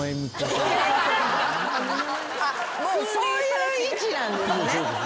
そういう位置なんですね。